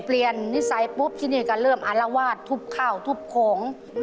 นิสัยปุ๊บที่นี่ก็เริ่มอารวาสทุบข้าวทุบของ